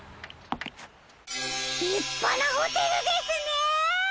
りっぱなホテルですね！